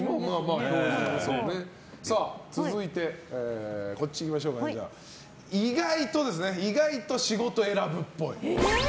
続いて、意外と仕事選ぶっぽい。